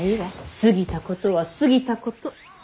過ぎたことは過ぎたこと。